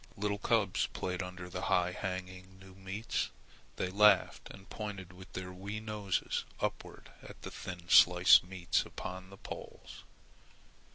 Little cubs played under the high hanging new meats. They laughed and pointed with their wee noses upward at the thin sliced meats upon the poles.